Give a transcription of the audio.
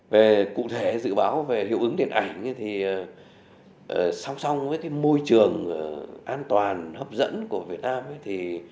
về cụ thể dự báo về hiệu ứng điện ảnh thì song song với môi trường an toàn hấp dẫn của việt nam